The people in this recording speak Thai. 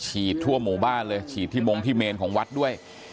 ทั่วหมู่บ้านเลยฉีดที่มงที่เมนของวัดด้วย